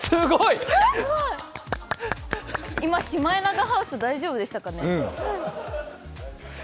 今シマエナガハウス大丈夫でしたかね？